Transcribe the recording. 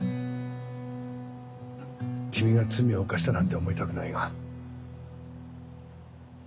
君が罪を犯したなんて思いたくないが。